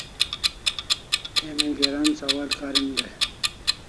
Emi geran sawal karin dai